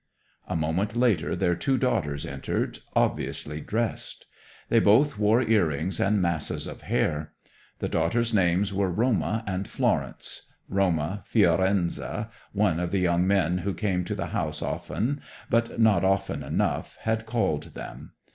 A moment later their two daughters entered, obviously "dressed." They both wore earrings and masses of hair. The daughters' names were Roma and Florence, Roma, Firenze, one of the young men who came to the house often, but not often enough, had called them.